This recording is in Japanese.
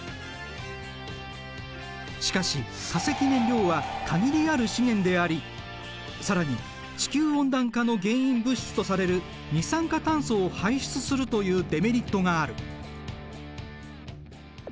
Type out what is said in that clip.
しかし化石燃料は限りある資源であり更に地球温暖化の原因物質とされる二酸化炭素を排出するというデメリットがある。